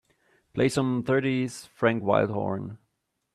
Play some thirties Frank Wildhorn